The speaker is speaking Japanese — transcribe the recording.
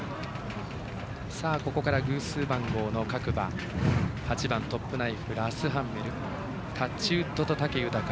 ここから偶数番号の各馬８番トップナイフラスハンメルタッチウッドと武豊。